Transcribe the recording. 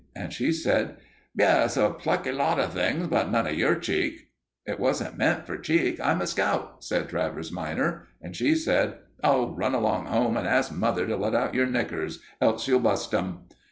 And she said: "Yes, a plucky lot of things, but none of your cheek." "It wasn't meant for cheek. I'm a Scout," said Travers minor. And she said: "Oh, run along home and ask mother to let out your knickers, else you'll bust 'em!"